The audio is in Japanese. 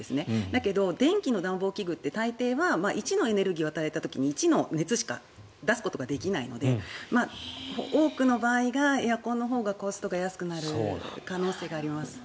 だけど電気の暖房器具って大抵は１のエネルギーを与えた時１の熱しか出すことができないので多くの場合、エアコンのほうがコストが安くなる可能性があります。